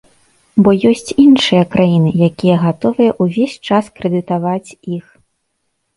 Бо ёсць іншыя краіны, якія гатовыя ўвесь час крэдытаваць іх.